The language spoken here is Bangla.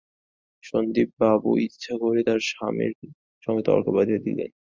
সন্দীপবাবু ইচ্ছা করেই আমার স্বামীর সঙ্গে তর্ক বাধিয়ে দিলেন।